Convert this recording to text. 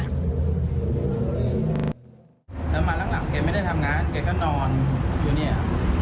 แล้วมาหลังแกไม่ได้ทำงานแกก็นอนอยู่เนี่ย